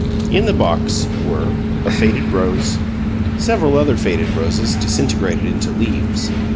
In the box were: A faded rose. Several other faded roses, disintegrated into leaves.